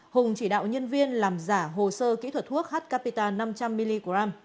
hùng chỉ đạo nhân viên làm giả hồ sơ kỹ thuật thuốc h capita năm trăm linh mg